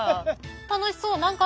楽しそう。